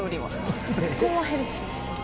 基本はヘルシーですね。